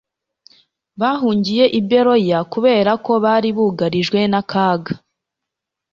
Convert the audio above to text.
bahungiye i beroya kubera ko bari bugarijwe n'akaga